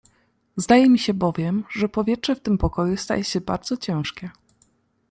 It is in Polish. "Zdaje mi się bowiem, że powietrze w tym pokoju staje się bardzo ciężkie."